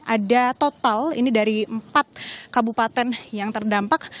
ada total ini dari empat kabupaten yang terdampak